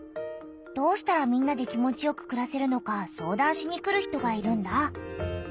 どうしたらみんなで気持ちよくくらせるのか相談しに来る人がいるんだ。